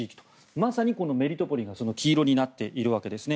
まさに、メリトポリが黄色になっているわけですね。